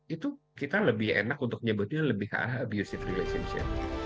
itu kita lebih enak untuk menyebutnya lebih abusive relationship